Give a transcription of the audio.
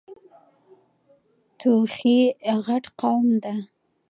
توخی غټ قوم ده.